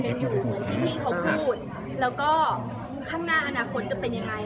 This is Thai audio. แต่ว่าศึกษาดูใจในหนูที่เขาพูดแล้วก็ข้างหน้าอนาคตจะเป็นยังไง